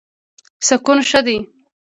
سکون ښه دی.